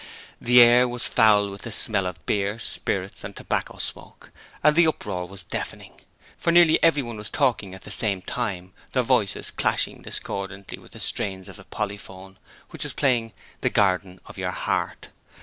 The air was foul with the smell of beer, spirits and tobacco smoke, and the uproar was deafening, for nearly everyone was talking at the same time, their voices clashing discordantly with the strains of the Polyphone, which was playing 'The Garden of Your Heart'.